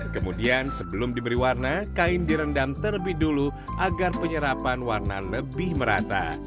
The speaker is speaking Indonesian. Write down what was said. kemudian sebelum diberi warna kain direndam terlebih dulu agar penyerapan warna lebih merata